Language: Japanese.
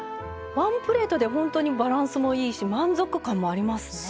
ワンプレートで本当にバランスもいいし満足感もありますね。